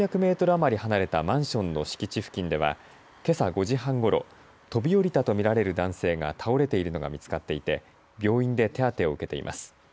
余り離れたマンションの敷地付近ではけさ５時半ごろ、飛び降りたと見られる男性が倒れているのが見つかっていて病院で手当を受けています。